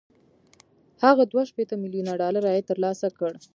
هغه دوه شپېته ميليونه ډالر عاید ترلاسه کړ